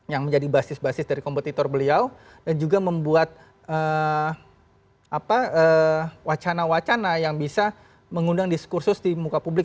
yang menjadi basis basis dari kompetitor beliau dan juga membuat wacana wacana yang bisa mengundang diskursus di muka publik